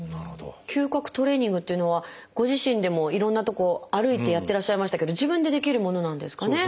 嗅覚トレーニングっていうのはご自身でもいろんなとこを歩いてやってらっしゃいましたけど自分でできるものなんですかね。